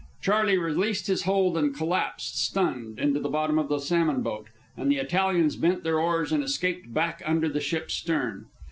Charley released his hold and collapsed, stunned, into the bottom of the salmon boat, and the Italians bent to their oars and escaped back under the ship's stern.